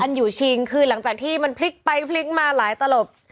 อยู่ชิงคือหลังจากที่มันพลิกไปพลิกมาหลายตลบ